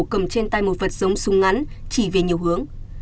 cầm trên tay một vật giống súng ngắn chỉ về nhiều hướng